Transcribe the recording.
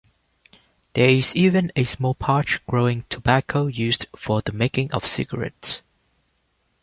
There is even a small patch growing tobacco used for the making of cigarettes.